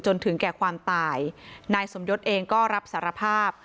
จนถึงแก่ความตายนายสมยศเองก็รับสารภาพ